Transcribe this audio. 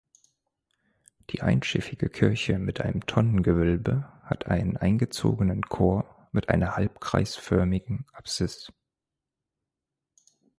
Die einschiffige Kirche mit einem Tonnengewölbe hat einen eingezogenen Chor mit einer halbkreisförmigen Apsis.